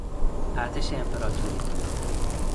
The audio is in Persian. ارتش امپراتوری